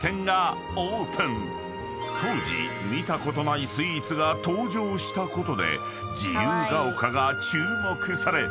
［当時見たことないスイーツが登場したことで自由が丘が注目され］